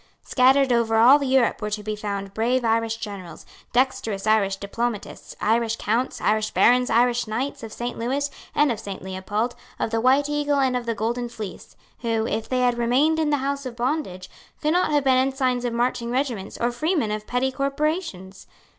Scattered over all Europe were to be found brave Irish generals, dexterous Irish diplomatists, Irish Counts, Irish Barons, Irish Knights of Saint Lewis and of Saint Leopold, of the White Eagle and of the Golden Fleece, who, if they had remained in the house of bondage, could not have been ensigns of marching regiments or freemen of petty corporations.